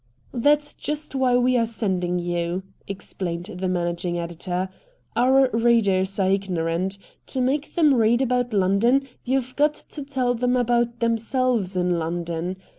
"That's just why we are sending you," explained the managing editor. "Our readers are ignorant. To make them read about London you've got to tell them about themselves in London.